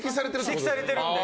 指摘されてるんで。